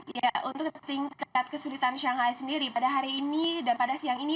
ya untuk tingkat kesulitan shanghai sendiri pada hari ini dan pada siang ini